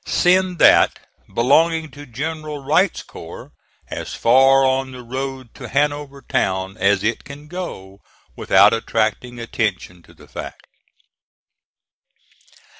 Send that belonging to General Wright's corps as far on the road to Hanover Town as it can go, without attracting attention to the fact.